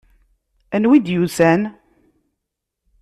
Anwa i d-yusan?